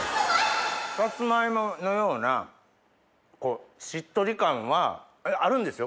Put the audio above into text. サツマイモのようなしっとり感はあるんですよ